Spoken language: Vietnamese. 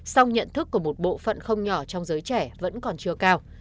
song nhận thức của một bộ phận không nhỏ trong giới trẻ vẫn còn chưa cao